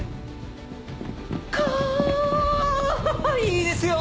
いいですよ！